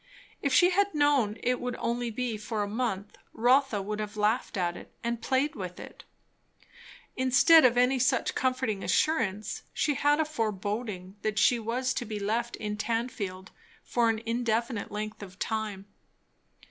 If she had known it would be only for a month, Rotha would have laughed at it, and played with it; instead of any such comforting assurance, she had a foreboding that she was to be left in Tan field for an indefinite length of time.